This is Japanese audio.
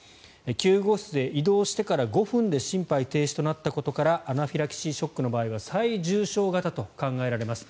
救護室へ移動してから５分で心肺停止となったことからアナフィラキシーショックの場合は最重症型と考えられます